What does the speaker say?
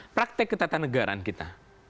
praktek ketatanegaraan kita